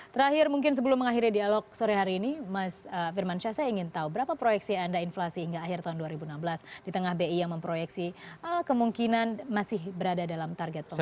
terakhir mungkin sebelum mengakhiri dialog sore hari ini mas firmansyah saya ingin tahu berapa proyeksi anda inflasi hingga akhir tahun dua ribu enam belas di tengah bi yang memproyeksi kemungkinan masih berada dalam target pemerintah